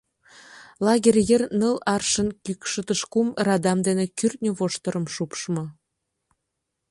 Лагерь йыр ныл аршын кӱкшытыш кум радам дене кӱртньӧ воштырым шупшмо.